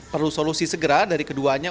perlu solusi segera dari keduanya